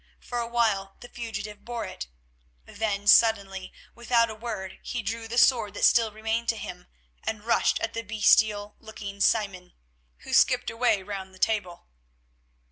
For a while the fugitive bore it, then suddenly, without a word, he drew the sword that still remained to him and rushed at the bestial looking Simon, who skipped away round the table.